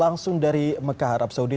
langsung dari mekah arab saudi